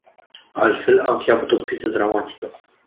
Altfel, am fi avut o criză dramatică.